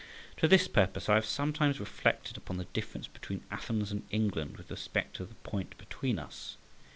To this purpose I have sometimes reflected upon the difference between Athens and England with respect to the point before us.